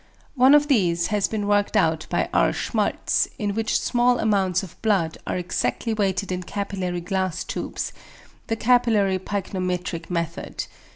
One of these has been worked out by R. Schmaltz, in which small amounts of blood are exactly weighed in capillary glass tubes (the capillary pyknometric method).